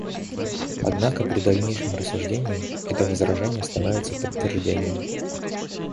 Однако при дальнейшем рассуждении это возражение становится подтверждением.